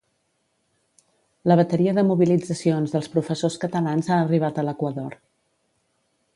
La bateria de mobilitzacions dels professors catalans ha arribat a l’equador.